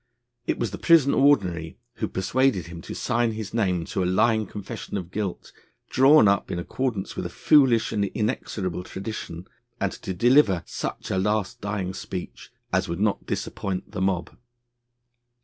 It was the Prison Ordinary, who persuaded him to sign his name to a lying confession of guilt, drawn up in accordance with a foolish and inexorable tradition, and to deliver such a last dying speech as would not disappoint the mob.